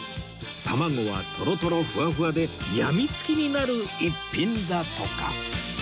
卵はトロトロふわふわで病み付きになる逸品だとか